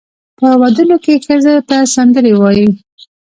په ودونو کې ښځو ته سندرې وایي.